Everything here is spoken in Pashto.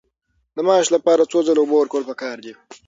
د ماشو لپاره څو ځله اوبه ورکول پکار دي؟